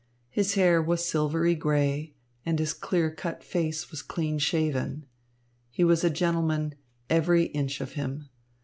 His hair was silvery grey, and his clear cut face was clean shaven. He was a gentleman, "every inch of him."